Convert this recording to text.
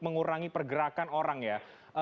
mengurangi pergerakan orang ya